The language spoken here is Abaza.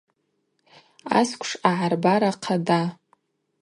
Асквш агӏарбара хъада.